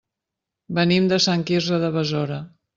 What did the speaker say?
Venim de Sant Quirze de Besora.